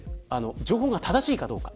情報が正しいかどうか。